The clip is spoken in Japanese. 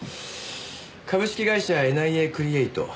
株式会社ＮＩＡクリエイト。